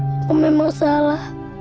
aku memang salah